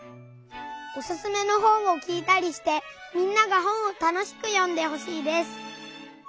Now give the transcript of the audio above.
おすすめの本をきいたりしてみんなが本をたのしくよんでほしいです。